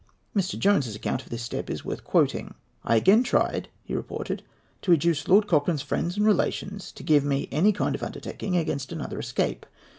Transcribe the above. Mr. Jones's account of this step is worth quoting. "I again tried," he reported, "to induce Lord Cochrane's friends and relations to give me any kind of undertaking against another escape.